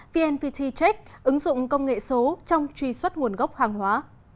vnpt check ứng dụng công nghệ số trong truy xuất nguồn gốc hàng hóa